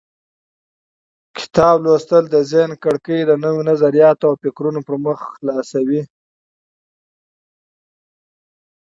کتاب لوستل د ذهن کړکۍ د نوو نظریاتو او فکرونو پر مخ پرانیزي.